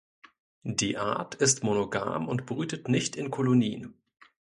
Die Art ist monogam und brütet nicht in Kolonien.